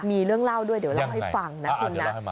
มีเรื่องเล่าด้วยเดี๋ยวเล่าให้ฟังนะคุณนะ